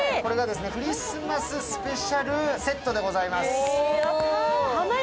クリスマススペシャルセットでございます。